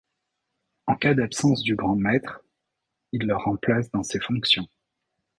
En cas d'absence du grand maître, ils le remplacent dans ses fonctions.